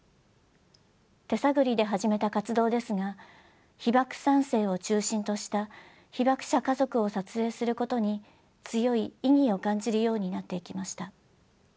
手探りで始めた活動ですが被爆三世を中心とした被爆者家族を撮影することに強い意義を感じるようになっていきました。